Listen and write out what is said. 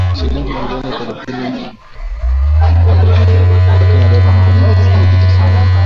Shilingi bilioni thelathini na nne za Kenya dola mia mbili tisini na nane.